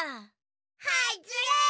はっずれ！